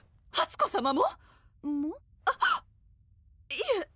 いえ